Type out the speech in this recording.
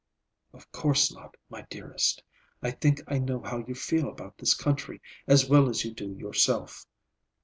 "Of course not, my dearest. I think I know how you feel about this country as well as you do yourself."